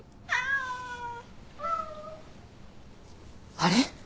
あれ？